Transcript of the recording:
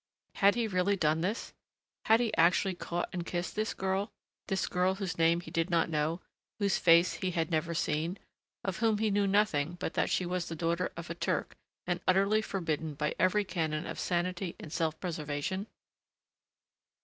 Had he really done this? Had he actually caught and kissed this girl, this girl whose name he did not know, whose face he had never seen, of whom he knew nothing but that she was the daughter of a Turk and utterly forbidden by every canon of sanity and self preservation?